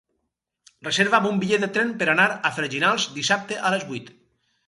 Reserva'm un bitllet de tren per anar a Freginals dissabte a les vuit.